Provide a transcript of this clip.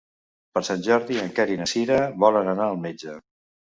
Per Sant Jordi en Quer i na Cira volen anar al metge.